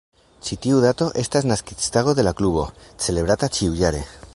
Ĉi tiu dato estas naskiĝtago de la Klubo, celebrata ĉiujare.